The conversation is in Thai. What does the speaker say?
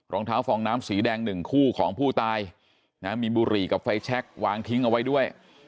รองเท้าฟองน้ำสีแดงหนึ่งคู่ของผู้ตายนะมีบุหรี่กับไฟแชควางทิ้งเอาไว้ด้วย